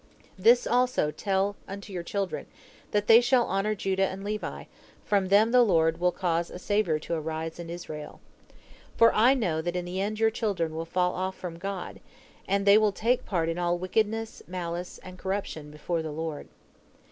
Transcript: "This also tell unto your children, that they shall honor Judah and Levi, for from them the Lord will cause a savior to arise unto Israel. For I know that in the end your children will fall off from God, and they will take part in all wickedness, malice, and corruptness, before the Lord."